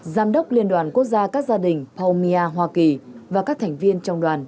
giám đốc liên đoàn quốc gia các gia đình pomia hoa kỳ và các thành viên trong đoàn